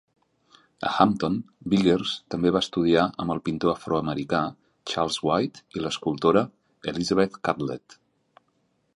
A Hampton, Biggers també va estudiar amb el pintor afroamericà Charles White i l'escultora Elizabeth Catlett.